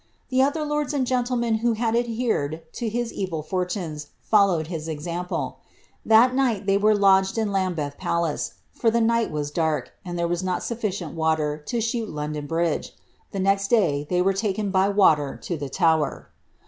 The other lordi and gentlemen who had adhered to his evil fortunes followed liti eniD* pie. That night they were lodged in Lambeth Palace ; for the ni^ was dark, and there was ■"■■"«'^"« "aier to shoot Londoa Bhd^ The nest day they were I i> the Tower.